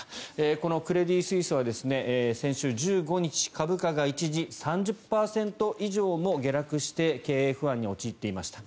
このクレディ・スイスは先週１５日株価が一時、３０％以上も下落して経営不安に陥っていました。